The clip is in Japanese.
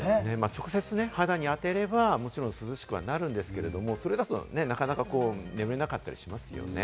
直接肌に当てれば涼しくなるんですけれども、それだとなかなか眠れなかったりしますよね。